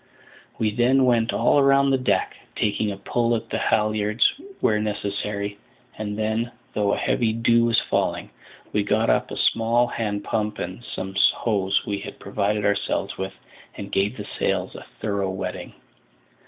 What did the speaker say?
We then went all round the deck, taking a pull at the halliards where necessary; and then, though a heavy dew was falling, we got up a small hand pump and some hose we had provided ourselves with, and gave the sails a thorough wetting.